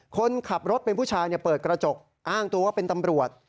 คนขับรถเป็นผู้ชายเปิดกระจกอ้างตัวว่าเป็นตำรวจ